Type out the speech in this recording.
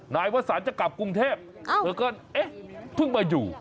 นายวสันจะกลับกรุงเทพเธอก็เอ๊ะเพิ่งมาอยู่